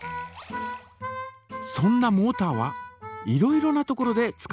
そんなモータはいろいろな所で使われています。